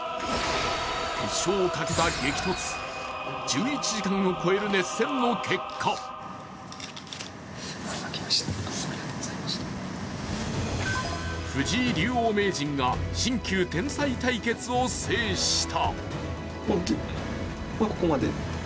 決勝をかけた激突、１１時間を超える熱戦の結果藤井竜王名人が新旧天才対決を制した。